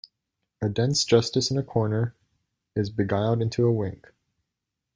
A dense justice in a corner is beguiled into a wink.